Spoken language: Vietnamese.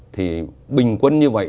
thì bình quân như vậy